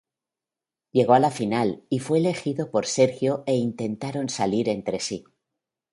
Llegó a la final y fue elegido por Sergio e intentaron salir entre sí.